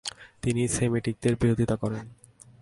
তিনি সেমিটিকদের বিরোধিতা করেন।